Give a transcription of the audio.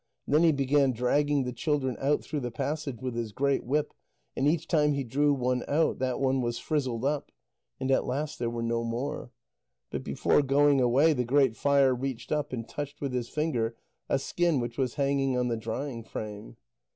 And then he began dragging the children out through the passage with his great whip, and each time he drew one out, that one was frizzled up. And at last there were no more. But before going away, the Great Fire reached up and touched with his finger a skin which was hanging on the drying frame.